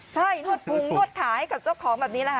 ใช่นวดพุงนวดขายกับเจ้าของแบบนี้